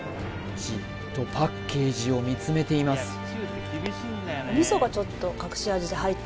じっとパッケージを見つめています